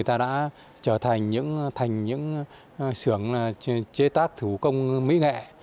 thành những sưởng chế tác thủ công mỹ nghệ